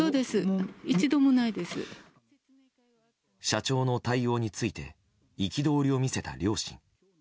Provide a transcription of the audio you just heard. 社長の対応について憤りを見せた両親。